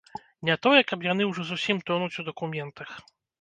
Не тое, каб яны ўжо зусім тонуць у дакументах.